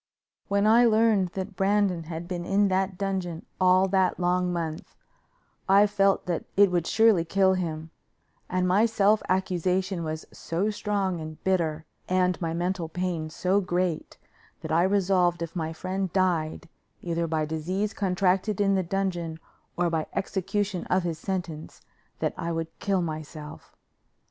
When I learned that Brandon had been in that dungeon all that long month, I felt that it would surely kill him, and my self accusation was so strong and bitter, and my mental pain so great, that I resolved if my friend died, either by disease contracted in the dungeon or by execution of his sentence, that I would kill myself.